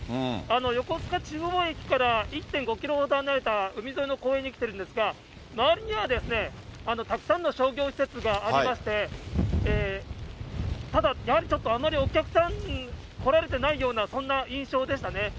横須賀中央駅から１．５キロほど離れた海沿いの公園に来ているんですが、周りにはたくさんの商業施設がありまして、やはりちょっと、あまりお客さん、来られてないような、そんな印象でしたね。